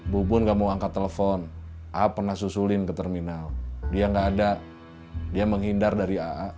bubun gak mau angkat telepon a pernah susulin ke terminal dia gak ada dia menghindar dari a